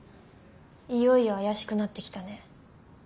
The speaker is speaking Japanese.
いよいよ怪しくなってきたね。